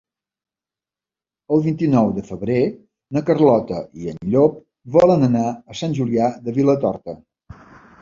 El vint-i-nou de febrer na Carlota i en Llop volen anar a Sant Julià de Vilatorta.